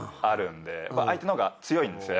相手の方が強いんですよ